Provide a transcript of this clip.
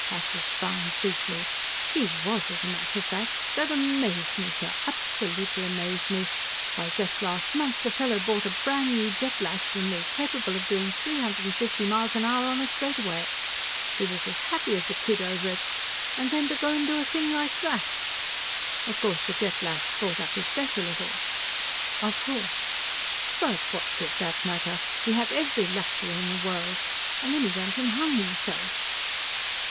Pathis frowned briefly. "He was, as a matter of fact. That amazed me, sir, absolutely amazed me. Why, just last month the fellow bought a brand new Jet lash from me, capable of doing three hundred and fifty miles an hour on a straightaway. He was as happy as a kid over it, and then to go and do a thing like that! Of course, the Jet lash brought up his debt a little." "Of course." "But what did that matter? He had every luxury in the world. And then he went and hung himself."